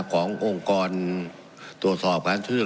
ผมจะขออนุญาตให้ท่านอาจารย์วิทยุซึ่งรู้เรื่องกฎหมายดีเป็นผู้ชี้แจงนะครับ